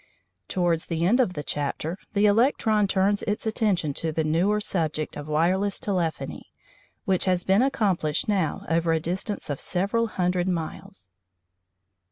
Towards the end of the chapter the electron turns its attention to the newer subject of wireless telephony, which has been accomplished now over a distance of several hundred miles.